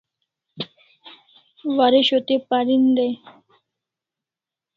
Waresho te parin dai